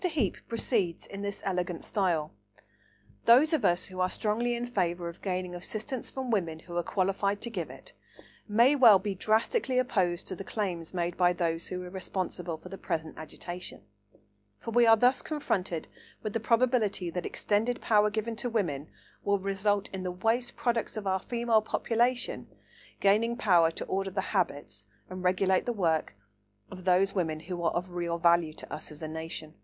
Heape proceeds in this elegant style: "Those of us who are strongly in favour of gaining assistance from women who are qualified to give it may well be drastically opposed to the claims made by those who are responsible for the present agitation; for we are thus confronted with the probability that extended power given to women will result in the waste products of our Female population gaining power to order the habits and regulate the work of those women who are of real value to us as a nation" (italics mine).